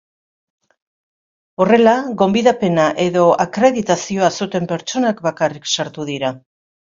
Horrela, gonbidapena edo akreditazioa zuten pertsonak bakarrik sartu dira.